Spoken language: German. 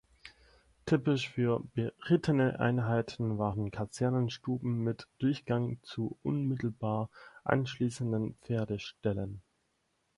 Typisch für berittene Einheiten waren Kasernen-Stuben mit Durchgang zu unmittelbar anschließenden Pferdeställen.